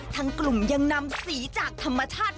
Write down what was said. ทางกลุ่มยังนำสีจากธรรมชาติ